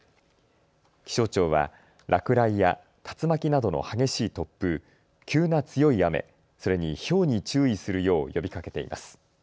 気象庁は落雷や竜巻などの激しい突風、急な強い雨、それにひょうに注意するよう呼びかけています。